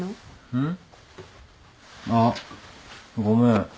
うん？あっごめん。